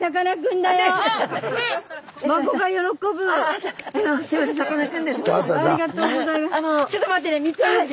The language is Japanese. はい。